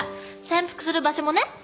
潜伏する場所もね。